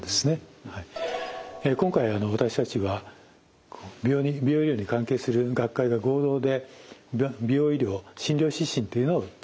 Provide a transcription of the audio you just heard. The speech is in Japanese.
今回私たちは美容医療に関係する学会が合同で「美容医療診療指針」というのを作りました。